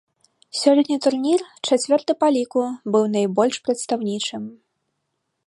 Сёлетні турнір, чацвёрты па ліку, быў найбольш прадстаўнічым.